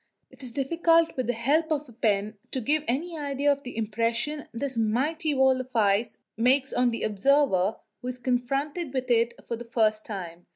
It is difficult with the help of the pen to give any idea of the impression this mighty wall of ice makes on the observer who is confronted with it for the first time.